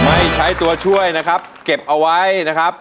ไม่ใช้ตัวช่วยนะครับเก็บเอาไว้นะครับ